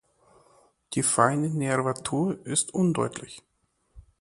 Die feine Nervatur ist undeutlich.